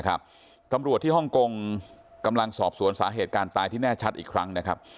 กรรมภวร์ที่ฮ่อล์งโกงกำลังซอบสวนสาเหตุการณ์ตายที่แน่ชัดอีกครั้ง